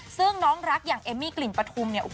ซึ่งน้องรักอย่างเอมมี่กลิ่นปฐุมเนี่ย